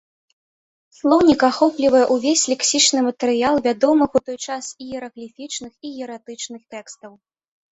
Слоўнік ахоплівае ўвесь лексічны матэрыял вядомых у той час іерагліфічных і іератычных тэкстаў.